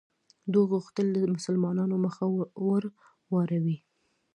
دوی غوښتل د مسلمانانو مخه ور واړوي.